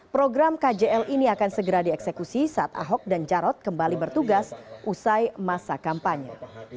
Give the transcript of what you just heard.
program kjl ini akan segera dieksekusi saat ahok dan jarod kembali bertugas usai masa kampanye